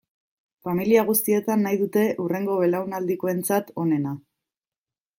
Familia guztietan nahi dute hurrengo belaunaldikoentzat onena.